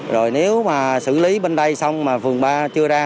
rồi nếu mà xử lý bên đây xong mà phường ba chưa ra